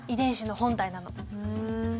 ふん。